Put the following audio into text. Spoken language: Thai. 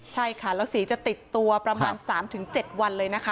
ใช่ค่ะแล้วสีจะติดตัวประมาณ๓๗วันเลยนะคะ